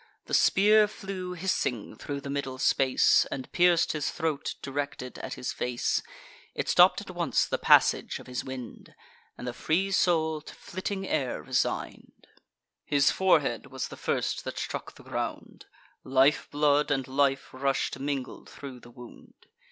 The spear flew hissing thro' the middle space, And pierc'd his throat, directed at his face; It stopp'd at once the passage of his wind, And the free soul to flitting air resign'd: His forehead was the first that struck the ground; Lifeblood and life rush'd mingled thro' the wound.